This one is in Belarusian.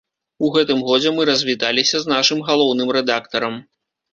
У гэтым годзе мы развіталіся з нашым галоўным рэдактарам.